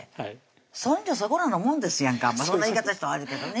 そんじょそこらのもんですやんかそんな言い方したら悪いけどね